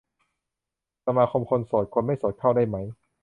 สมาคมคนโสด คนไม่โสดเข้าได้ไหม